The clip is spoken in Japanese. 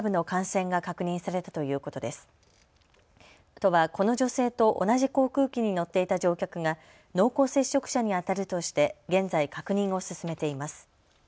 都はこの女性と同じ航空機に乗っていた乗客が濃厚接触者にあたるとして現在、確認を進めています。